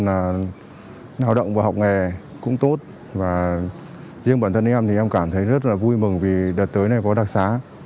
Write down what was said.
là lao động và học nghề cũng tốt và riêng bản thân em thì em cảm thấy rất là vui mừng vì đợt tới này có đặc xá